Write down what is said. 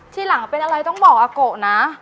ทีหลังเป็นอะไรต้องบอกอาโกะนะ